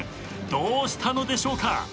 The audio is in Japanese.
どうしたのでしょうか。